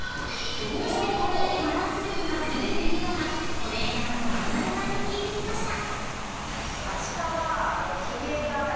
［どうしてこんなにバランス力が優れているのかトレーナーの渡邉さんに聞いてみました］